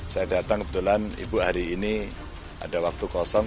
saya datang kebetulan ibu hari ini ada waktu kosong